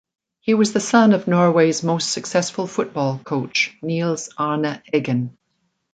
He was the son of Norway's most successful football coach, Nils Arne Eggen.